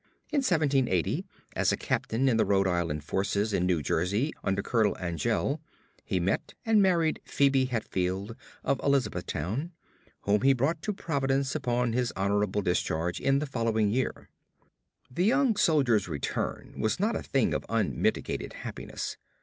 In 1780, as a captain in the Rhode Island forces in New Jersey under Colonel Angell, he met and married Phebe Hetfield of Elizabethtown, whom he brought to Providence upon his honorable discharge in the following year. The young soldier's return was not a thing of unmitigated happiness.